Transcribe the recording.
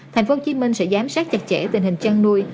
thành phố hồ chí minh sẽ giám sát chặt chẽ tình hình chăn nuôi